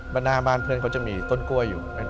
หน้าบ้านเพื่อนเขาจะมีต้นกล้วยอยู่